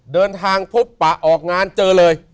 เดินทางพบปะออกงานเจอเลย